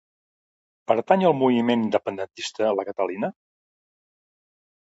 Pertany al moviment independentista la Catalina?